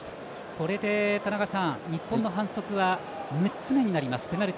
これで田中さん、日本の反則は６つ目になります。